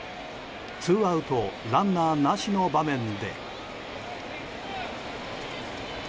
ツーアウトランナーなしの場面で。